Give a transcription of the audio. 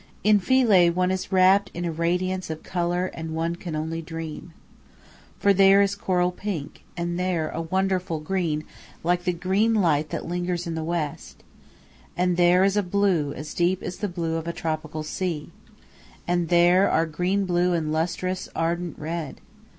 In Philae one is wrapped in a radiance of color and one can only dream. For there is coral pink, and there a wonderful green, "like the green light that lingers in the west," and there is a blue as deep as the blue of a tropical sea; and there are green blue and lustrous, ardent red.